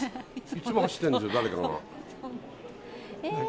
いつも走ってるんですよ、誰かが。